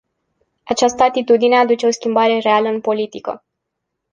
Această atitudine aduce o schimbare reală în politică.